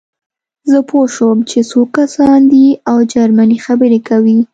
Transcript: زه پوه شوم چې څو کسان دي او جرمني خبرې کوي